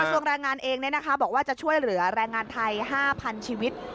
ส่วนแรงงานเองบอกว่าจะช่วยเหลือแรงงานไทย๕๐๐๐ชีวิต